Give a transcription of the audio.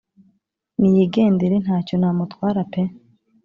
niyigendere ntacyo namutwara pee